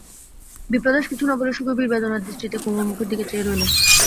বিপ্রদাস কিছু না বলে সুগভীর বেদনার দৃষ্টিতে কুমুর মুখের দিকে চেয়ে রইল।